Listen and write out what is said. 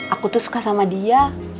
aku tuh suka sama dia